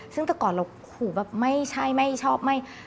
ซึ่งตั้งแต่ก่อนเราไม่ใช่ไม่ชอบ